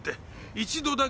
一度だけ？